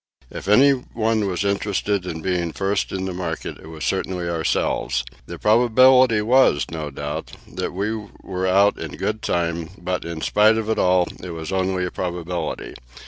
If anyone was interested in being first in the market it was certainly ourselves. The probability was, no doubt, that we were out in good time; but, in spite of all, it was only a probability.